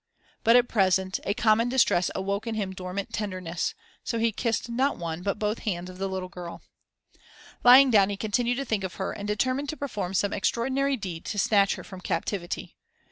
But, at present, a common distress awoke in him dormant tenderness; so he kissed not one but both hands of the little girl. Lying down, he continued to think of her and determined to perform some extraordinary deed to snatch her from captivity.